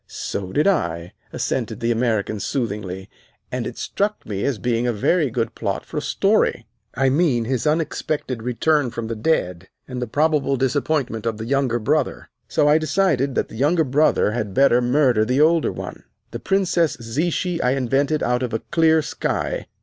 "So did I," assented the American soothingly; "and it struck me as being a very good plot for a story. I mean his unexpected return from the dead, and the probable disappointment of the younger brother. So I decided that the younger brother had better murder the older one. The Princess Zichy I invented out of a clear sky.